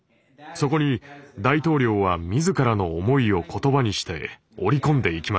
そこに大統領は自らの思いを言葉にして織り込んでいきました。